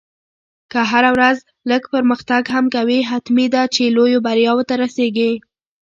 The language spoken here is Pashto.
که هره ورځ لږ پرمختګ هم کوې، حتمي ده چې لویو بریاوو ته رسېږې.